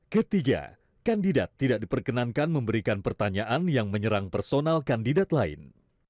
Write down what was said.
ketiga kandidat tidak diperkenankan memberikan pertanyaan yang menyerang personal kandidat lain